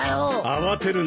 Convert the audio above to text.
慌てるな。